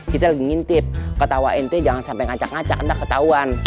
kita lagi ngintip ketawa ente jangan sampe ngacak ngacak ntar ketauan